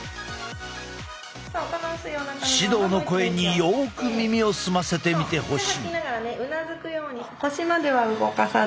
指導の声によく耳を澄ませてみてほしい。